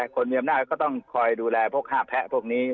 คนมีอำนาจก็ต้องคอยดูแลพวก๕แพะพวกนี้